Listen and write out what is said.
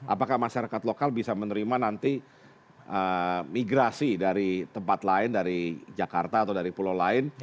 apakah masyarakat lokal bisa menerima nanti migrasi dari tempat lain dari jakarta atau dari pulau lain